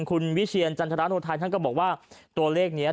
คุณวิเชียรจันทราโนไทยท่านก็บอกว่าตัวเลขนี้